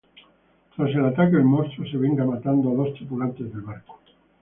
Tras el ataque, el monstruo se venga matando a dos tripulantes del barco.